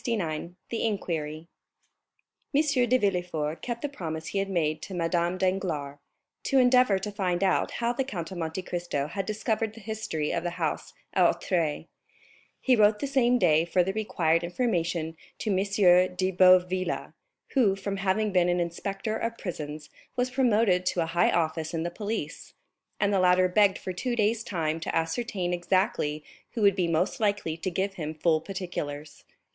The Inquiry M. de Villefort kept the promise he had made to Madame Danglars, to endeavor to find out how the Count of Monte Cristo had discovered the history of the house at Auteuil. He wrote the same day for the required information to M. de Boville, who, from having been an inspector of prisons, was promoted to a high office in the police; and the latter begged for two days time to ascertain exactly who would be most likely to give him full particulars.